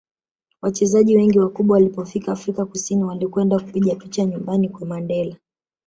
wachezaji wengi wakubwa walipofika afrika kusini walikwenda kupiga picha nyumbani kwa mandela